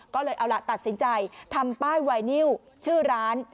ก็เลยเอาล่ะตัดสินใจทำป้ายไวนิวชื่อร้าน